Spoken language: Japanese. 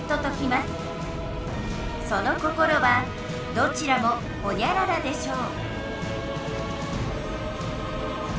どちらもホニャララでしょう